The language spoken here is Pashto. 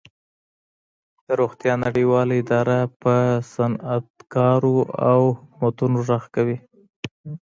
د روغتیا نړیواله اداره په صنعتکارو او حکومتونو غږ کوي